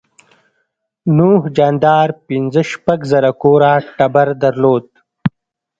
نوح جاندار پنځه شپږ زره کوره ټبر درلود.